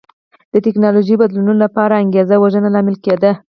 د ټکنالوژیکي بدلونونو لپاره انګېزې وژنې لامل کېده.